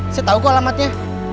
saya tau kok alamatnya